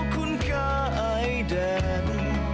คุณกาไอแดน